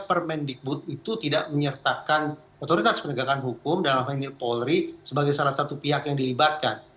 permendikbud itu tidak menyertakan otoritas penegakan hukum dan almanil polri sebagai salah satu pihak yang dilibatkan